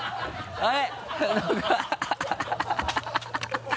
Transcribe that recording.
はい。